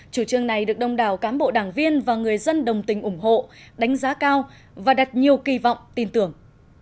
chủ trương này được đông đảo cán bộ đảng viên và người dân đồng tình ủng hộ đánh giá cao và đặt nhiều kỳ vọng tin tưởng